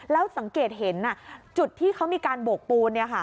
แล้วสังเกตเห็นจุดที่เขามีการโบกปูน